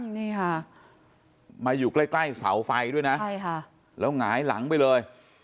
นี่ค่ะมาอยู่ใกล้ใกล้เสาไฟด้วยนะใช่ค่ะแล้วหงายหลังไปเลย